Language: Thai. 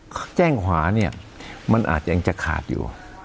แก้งขาเนี่ยมันอาจจะจะขาดอยู่